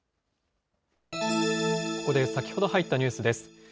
ここで先ほど入ったニュースです。